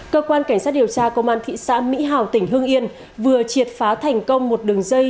cơ quan cảnh sát điều tra công an thị xã mỹ hào tỉnh hương yên vừa triệt phá thành công một đường dây